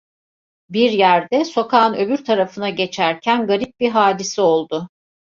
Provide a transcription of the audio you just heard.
Bir yerde, sokağın öbür tarafına geçerken garip bir hadise oldu.